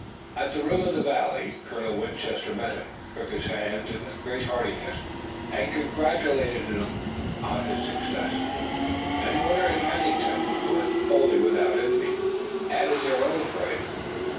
At the rim of the valley Colonel Winchester met him, shook his hand with great heartiness, and congratulated him on his success, and Warner and Pennington, who were wholly without envy, added their own praise.